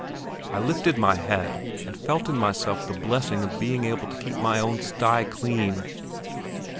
I lifted my head, and felt in myself the blessing of being able to keep my own sty clean.